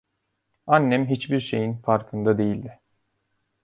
Annem hiçbir şeyin farkında değildi.